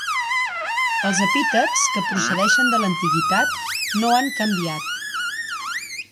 Els epítets, que procedeixen de l'antiguitat, no han canviat.